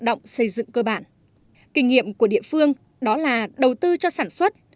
động xây dựng cơ bản kinh nghiệm của địa phương đó là đầu tư cho sản xuất